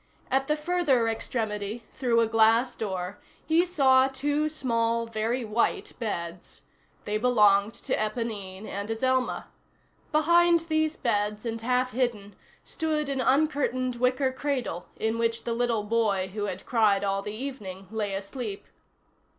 At the further extremity, through a glass door, he saw two small, very white beds. They belonged to Éponine and Azelma. Behind these beds, and half hidden, stood an uncurtained wicker cradle, in which the little boy who had cried all the evening lay asleep.